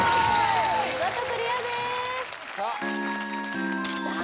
見事クリアですさあさあ